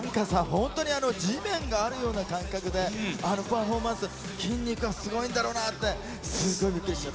本当に、地面があるような感覚で、あのパフォーマンス、筋肉がすごいんだろうなって、すごいびっくりしちゃった。